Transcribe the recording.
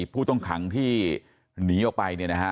ผู้ต้องขังที่หนีออกไปเนี่ยนะฮะ